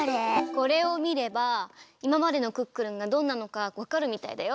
これをみればいままでの「クックルン」がどんなのかわかるみたいだよ！